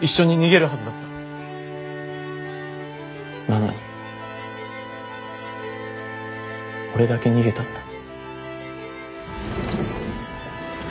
なのに俺だけ逃げたんだ。